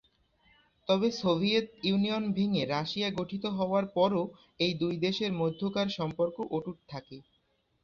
তবে Soviet Union ভেঙ্গে Russia গঠিত হওয়ার পরও এই দুই দেশের মধ্যকার সম্পর্ক অটুট থাকে।